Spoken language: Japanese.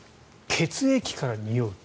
血液からにおう。